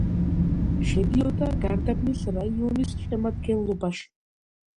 შედიოდა გარდაბნის რაიონის შემადგენლობაში.